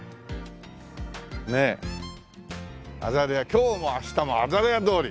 「今日も、明日もアザレア通り」